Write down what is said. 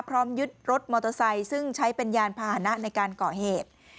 พร้อมยึดรถมอเตอร์ไซค์ซึ่งใช้เป็นยานพาหนะในการก่อเหตุ